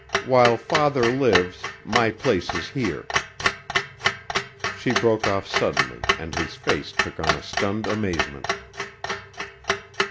While Father lives my place is here." She broke off suddenly and his face took on a stunned amazement.